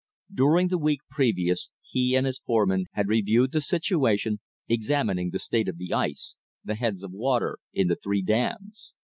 During the week previous he and his foremen had reviewed the situation, examining the state of the ice, the heads of water in the three dams.